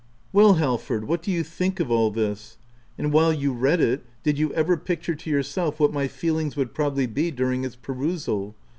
Well Halford, what do you think of all this ? and while you read it, did you ever picture to yourself what my feelings would probably be during its perusal